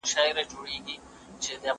زه به سبا سينه سپين کړم!.